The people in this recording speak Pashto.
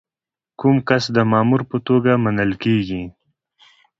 کوم کس د مامور په توګه منل کیږي؟